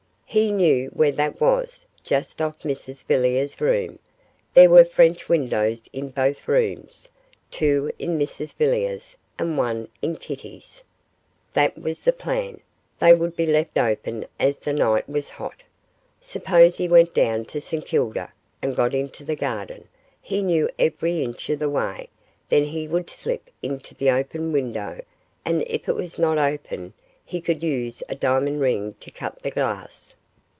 He knew where that was just off Mrs Villiers' room; there were French windows in both rooms two in Mrs Villiers', and one in Kitty's. That was the plan they would be left open as the night was hot. Suppose he went down to St Kilda, and got into the garden, he knew every inch of the way; then he could slip into the open window, and if it was not open, he could use a diamond ring to cut the glass.